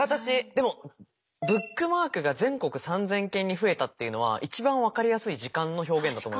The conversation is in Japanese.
でも「ブックマークが全国３，０００件に増えた」っていうのは一番分かりやすい時間の表現だと思います。